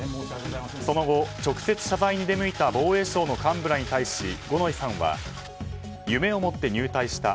その後、直接謝罪に出向いた防衛省の幹部らに対し五ノ井さんは夢を持って入隊した。